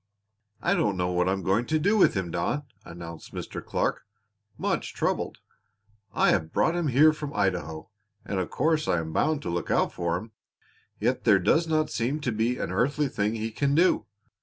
"I don't know what I am going to do with him, Don," announced Mr. Clark, much troubled. "I have brought him here from Idaho, and of course I am bound to look out for him; yet there does not seem to be an earthly thing he can do.